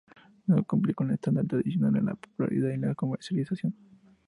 No cumple con el estándar tradicional de la popularidad y la comercialización.